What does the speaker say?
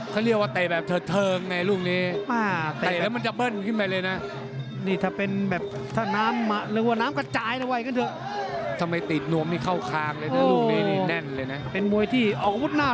เขารู้เป็นมวยที่มีอาวุธ